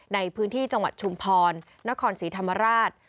ในพื้นที่จังหวัดชุมพรนครศรีธรรมราช